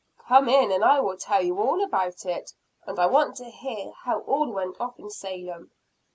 "Come in and I will tell you all about it. And I want to hear how all went off in Salem."